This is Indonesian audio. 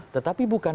tetapi bukan berarti